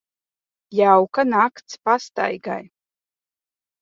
Jauka nakts pastaigai.